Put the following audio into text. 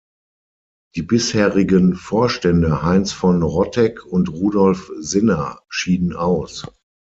Die bisherigen Vorstände Heinz von Rotteck und Rudolf Sinner schieden aus.